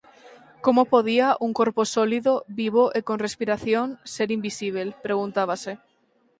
Como podía un corpo sólido, vivo e con respiración ser invisíbel, preguntábanse.